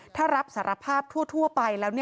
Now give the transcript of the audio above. ถ้ารับสารภาพทั่วไปแล้ว